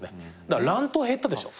だから乱闘減ったでしょ。